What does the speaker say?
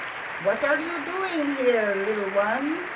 "What are you doing here, little one?"